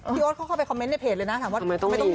พี่โอ๊ตเขาเข้าไปคอมเมนต์ในเพจเลยนะถามว่าไม่ต้องหนี